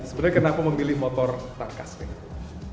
sebenarnya kenapa memilih motor tangkas begitu